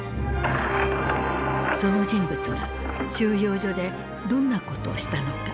その人物が収容所でどんなことをしたのか？